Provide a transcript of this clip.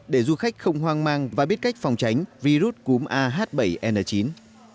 để du khách không hoang mang và biết cách phòng tránh virus cúm a h bảy n chín